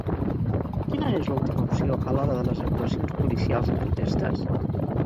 Quina és l'última opció a l'hora de les actuacions policials en protestes?